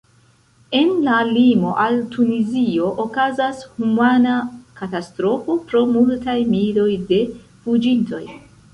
En la limo al Tunizio okazas humana katastrofo pro multaj miloj de fuĝintoj.